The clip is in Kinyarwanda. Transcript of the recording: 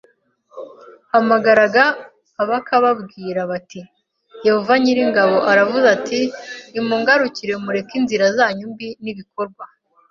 hamagaraga a bakababwira bati Yehova nyir ingabo aravuze ati nimungarukire mureke inzira zanyu mbi n ibikorwa